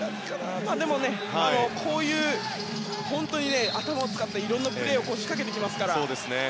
でも、こういう頭を使ったいろいろなプレーを仕掛けてきますから。